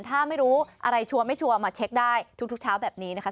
ถ้าไม่รู้อะไรชัวร์ไม่ชัวร์มาเช็คได้ทุกเช้าแบบนี้นะคะ